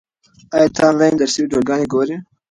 ایا ته آنلاین درسي ویډیوګانې ګورې؟